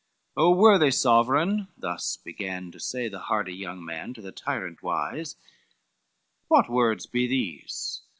XXXVII "O worthy sovereign," thus began to say The hardy young man to the tyrant wise, "What words be these?